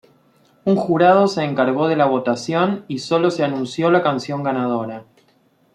Un jurado se encargó de la votación, y solo se anunció la canción ganadora.